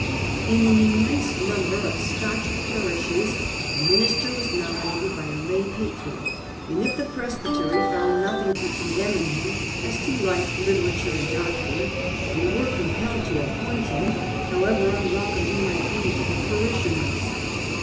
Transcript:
In an im mense number of Scotch parishes the minister was nominated by a lay patron ; and if the presbytery found nothing to condemn in him as to ' life, literature and doctrine,' they were compelled to appoint him, however unwelcome he might be to the parishioners.